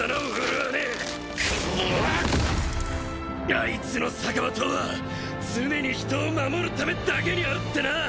あいつの逆刃刀は常に人を守るためだけにあるってな！